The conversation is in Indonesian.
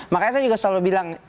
makanya saya juga selalu bilang